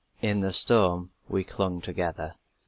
"In the storm we clung together."